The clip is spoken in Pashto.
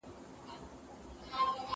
خندا باید په انداز وي.